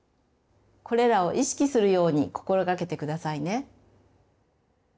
これらを意識するように心掛けてくださいね。